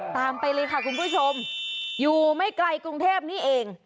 ไปเลยค่ะคุณผู้ชมอยู่ไม่ไกลกรุงเทพนี่เอง